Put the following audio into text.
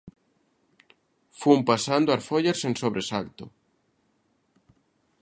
Fun pasando as follas sen sobresalto.